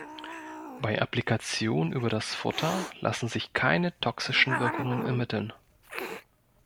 Bei Applikation über das Futter lassen sich keine toxischen Wirkungen ermitteln.